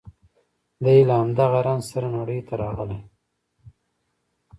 دی له همدغه رنځ سره نړۍ ته راغلی